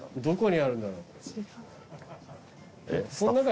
どこにあるんだろう？